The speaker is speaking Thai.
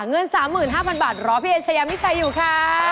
เงิน๓๕๐๐บาทรอพี่เอเชยามิชัยอยู่ค่ะ